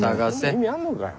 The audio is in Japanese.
意味あんのかよ。